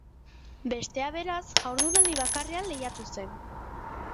Bestea, beraz, jardunaldi bakarrean lehiatu zen.